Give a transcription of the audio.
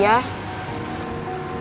kasian loh dia